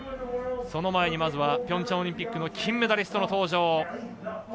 その前に、まずはピョンチャンオリンピックの金メダリストの登場。